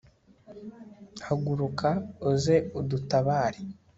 haguruka, uze udutabare